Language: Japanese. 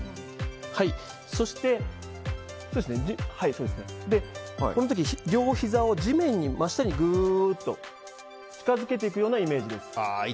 そして、この時両ひざを地面に真下にグーッと近づけていくようなイメージです。